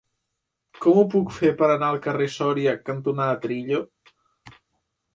Com ho puc fer per anar al carrer Sòria cantonada Trillo?